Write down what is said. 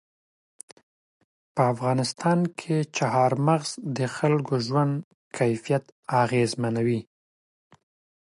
په افغانستان کې چار مغز د خلکو ژوند کیفیت اغېزمنوي.